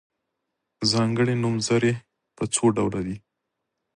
ځانګړي نومځري په څو ډوله دي.